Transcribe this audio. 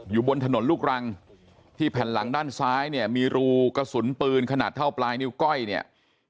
อยู่บนถนนลูกรังที่แผ่นหลังด้านซ้ายเนี่ยมีรูกระสุนปืนขนาดเท่าปลายนิ้วก้อยเนี่ย